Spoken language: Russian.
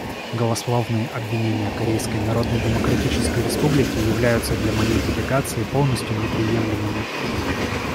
Голословные обвинения Корейской Народно-Демократической Республики являются для моей делегации полностью неприемлемыми.